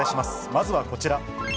まずはこちら。